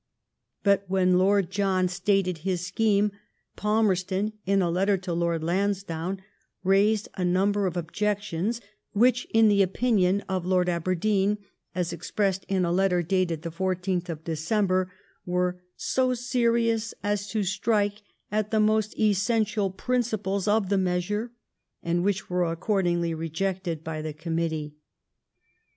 Bat when Lord John stated his scheme^ Falmerston, ut a letter to Lord Lansdowne, raised a nomber of objeo tionsy which, in the opinion of Lord Aberdeen, aa ex pressed in a letter dated the 14th of December, weire '* 80 serious as to strike at the most essential prindpfes 'Of the measure/' and which were accordingly rejected fay the Committee.